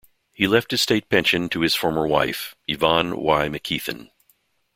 He left his state pension to his former wife, Yvonne Y. McKeithen.